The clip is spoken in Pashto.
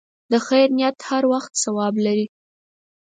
د خیر نیت هر وخت ثواب لري.